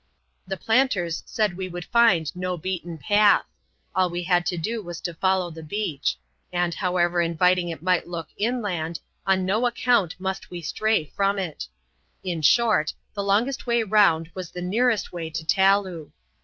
The planters said we would find no beaten patb :— all we had to do was to follow the beach; and however inviting it might look inland, on no account must we stray from it In short, the longest way round was the nearest way to Taloo.